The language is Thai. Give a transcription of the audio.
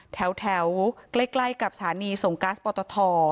แถวใกล้กับสถานีส่งกัสปตท